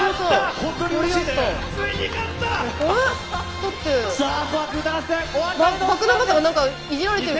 本当にうれしいね！